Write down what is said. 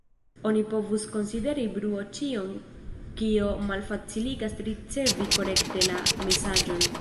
Oni povus konsideri bruo ĉion kio malfaciligas ricevi korekte la mesaĝon.